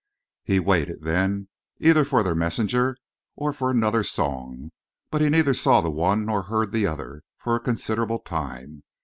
He waited, then, either for their messenger or for another song; but he neither saw the one nor heard the other for a considerable time.